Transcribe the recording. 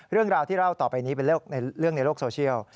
เรื่องราวที่เล่าต่อไปนี้เป็นเรื่องในโลกโซเชียล